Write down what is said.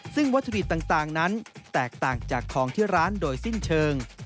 ซึ่งวัตถุดิบต่างนั้นแตกต่างจากของที่ร้านโดยสิ้นเชิง